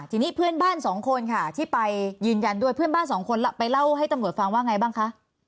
ทีนี้เพื่อนบ้านสองคนค่ะที่ไปยืนยันด้วยเพื่อนบ้านสองคนไปเล่าให้ตำรวจฟังว่าไงบ้างคะ